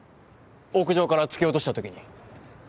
屋上から突き落としたときに。